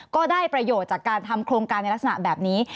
ก็ได้ประโยชน์จากการทำโครงการในลักษณะแบบนี้